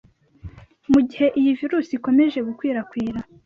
mu gihe iyi virus ikomeje gukwirakwira,